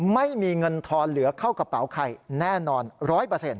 ไม่มีเงินทอนเหลือเข้ากระเป๋าใครแน่นอนร้อยเปอร์เซ็นต